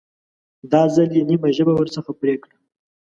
دا ځل یې نیمه ژبه ورڅخه پرې کړه.